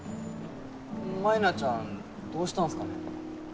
舞菜ちゃんどうしたんすかね？